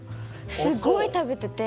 すごい食べてて。